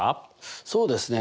そうですね。